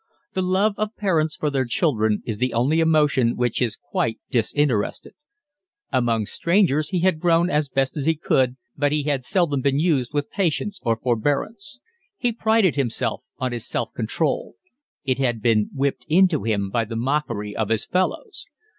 The love of parents for their children is the only emotion which is quite disinterested. Among strangers he had grown up as best he could, but he had seldom been used with patience or forbearance. He prided himself on his self control. It had been whipped into him by the mockery of his fellows.